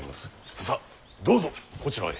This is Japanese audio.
ささっどうぞこちらへ。